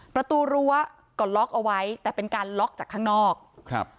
ประตูรั้วก็ล็อกเอาไว้แต่เป็นการล็อกจากข้างนอกครับ